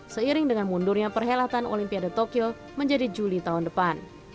seiring dengan mundurnya perhelatan olimpiade tokyo menjadi juli tahun depan